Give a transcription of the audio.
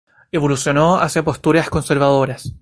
Evolucionó hacia posturas conservadoras.